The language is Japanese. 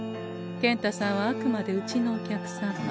健太さんはあくまでうちのお客様。